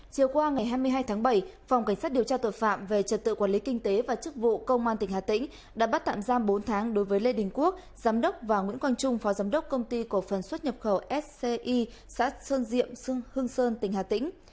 chiều qua ngày hai mươi hai tháng bảy phòng cảnh sát điều tra tội phạm về trật tự quản lý kinh tế và chức vụ công an tỉnh hà tĩnh đã bắt tạm giam bốn tháng đối với lê đình quốc giám đốc và nguyễn quang trung phó giám đốc công ty cổ phần xuất nhập khẩu sci xã sơn diệm hương sơn tỉnh hà tĩnh